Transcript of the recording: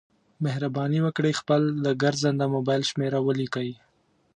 مهرباني وکړئ خپل د ګرځنده مبایل شمېره ولیکئ